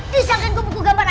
disangka gue buku gambar a tiga